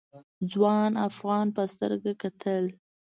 ځوان افغان په سترګه کتل.